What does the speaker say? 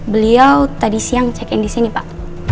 beliau tadi siang check in di sini pak